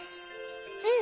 うん。